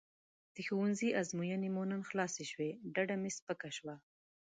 د ښوونځي ازموینې مو نن خلاصې شوې ډډه مې سپکه شوه.